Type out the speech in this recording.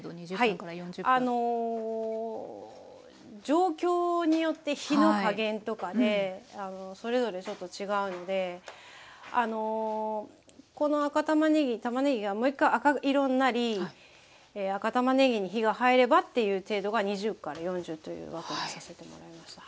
状況によって火の加減とかでそれぞれちょっと違うのでこの赤たまねぎたまねぎがもう一回赤色になり赤たまねぎに火が入ればっていう程度が２０４０という枠にさせてもらいました。